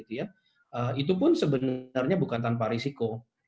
itu pun sebenarnya bukan tanpa risiko